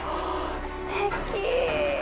すてき。